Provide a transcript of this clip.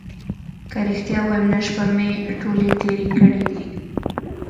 که رښتیا ووایم نن شپه مې ټولې تېرې کړې دي.